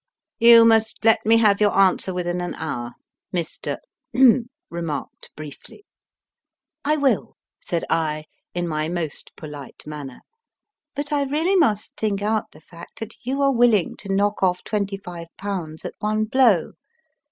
You must let me have your answer within an hour, Mr. remarked briefly. { I will/ said I, in my most polite manner; but I really must think out the fact that you are willing to knock off twenty five pounds at one blow.